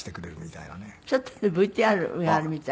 ちょっとＶＴＲがあるみたい。